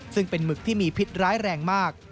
ซึ่งเป็นหมึกที่มีพิษร้ายแรงมาก